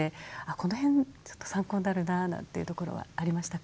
この辺ちょっと参考になるななんていうところはありましたか？